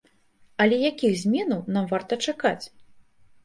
Але якіх зменаў нам варта чакаць?